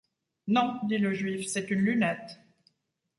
Non, dit le juif, c’est une lunette.